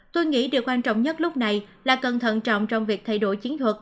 tôi nghĩ điều quan trọng nhất lúc này là cần thận trọng trong việc thay đổi chiến thuật